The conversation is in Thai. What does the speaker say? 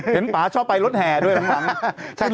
เห็นป้าชอบไปรถแห่ด้วยหลัง